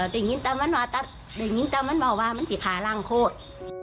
เดี๋ยวนี้มันบอกว่ามันสิขาลังโคตร